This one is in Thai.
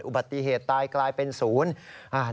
อุบัติเหตุตายกลายเป็นศูนย์